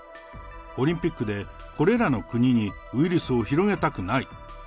オリンピックでこれらの国にウイルスを広げたくない。